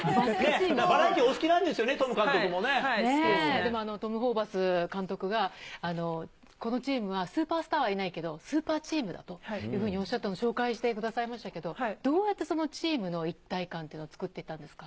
でもトム・ホーバス監督が、このチームはスーパースターはいないけど、スーパーチームっていうふうにおっしゃってるの紹介してくださいましたけど、どうやってそのチームの一体感っていうのを作っていたんですか。